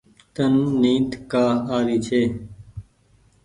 تن نيد ڪآ آري ڇي ۔